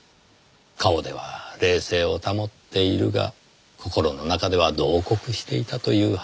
顔では冷静を保っているが心の中では慟哭していたという話です。